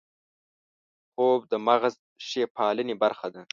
خوب د مغز ښې پالنې برخه ده